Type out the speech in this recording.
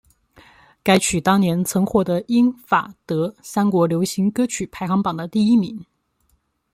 该曲当年曾获得英法德三国流行歌曲排行榜的第一名。